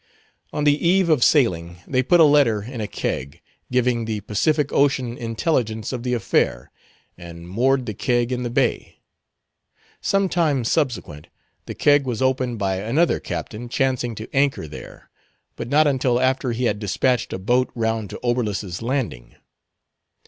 On the eve of sailing they put a letter in a keg, giving the Pacific Ocean intelligence of the affair, and moored the keg in the bay. Some time subsequent, the keg was opened by another captain chancing to anchor there, but not until after he had dispatched a boat round to Oberlus's Landing.